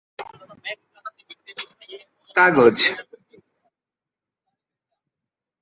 কাগজ